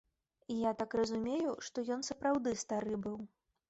Я так разумею, што ён сапраўды стары быў.